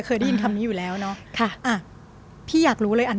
เคยได้ยินคำนี้อยู่แล้วเนอะค่ะอ่ะพี่อยากรู้เลยอัน